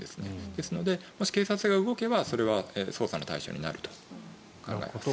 ですからもし警察が動けばそれは捜査の対象になると考えます。